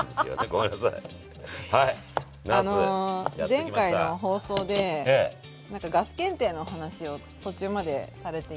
前回の放送でガス検定の話を途中までされていて。